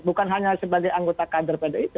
bukan hanya sebagai anggota kdpr itu